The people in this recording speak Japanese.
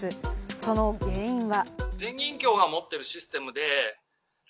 その原因は。